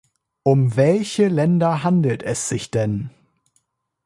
Um welche Länder handelt es sich denn?